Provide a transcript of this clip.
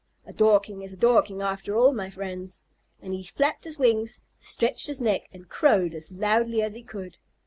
A Dorking is a Dorking after all, my friends." And he flapped his wings, stretched his neck, and crowed as loudly as he could.